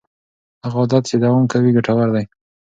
هغه عادت چې دوام کوي ګټور دی.